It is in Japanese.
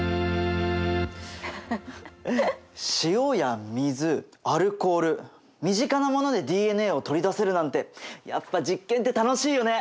塩や水アルコール身近なものでＤＮＡを取り出せるなんてやっぱ実験って楽しいよね！